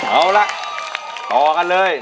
เอาละต่อกันเลย